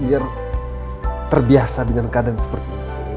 biar terbiasa dengan keadaan seperti ini